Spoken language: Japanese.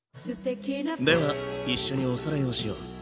では一緒におさらいをしよう。